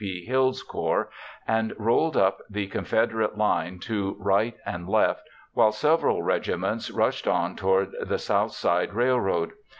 P. Hill's Corps and rolled up the Confederate line to right and left, while several regiments rushed on toward the Southside Railroad.